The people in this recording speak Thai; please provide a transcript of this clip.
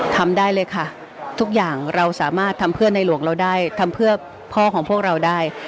ทำได้เลยค่ะทุกอย่างเราสามารถทำเพื่อในหลวงเราได้ทำเพื่อพ่อของพวกเราได้